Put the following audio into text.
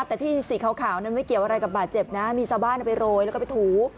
แต่ที่สีขาวนั้นไม่เกี่ยวอะไรกับบาดเจ็บนะมีชาวบ้านเอาไปโรยแล้วก็ไปถู